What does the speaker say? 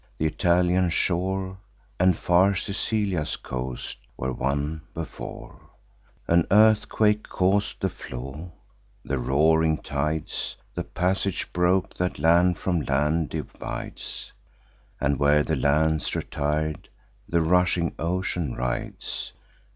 Th' Italian shore And fair Sicilia's coast were one, before An earthquake caus'd the flaw: the roaring tides The passage broke that land from land divides; And where the lands retir'd, the rushing ocean rides.